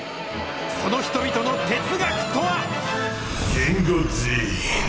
その人々の哲学とは。